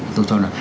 tôi cho là